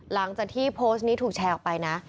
หลังจากที่โพสต์นี้ถูกแชร์ออกไปนะ